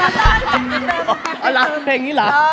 เออหรอเพราะเป็นอย่างนี้เหรอ